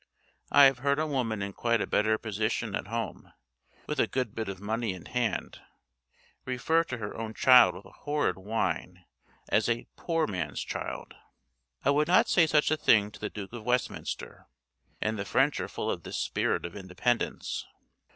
I have heard a woman in quite a better position at home, with a good bit of money in hand, refer to her own child with a horrid whine as 'a poor man's child.' I would not say such a thing to the Duke of Westminster. And the French are full of this spirit of independence.